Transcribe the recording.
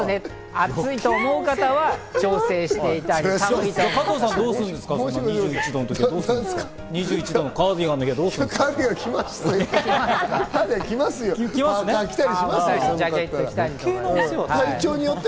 暑いと思う方は調整していただいて。